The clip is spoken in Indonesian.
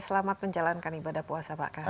selamat menjalankan ibadah puasa pak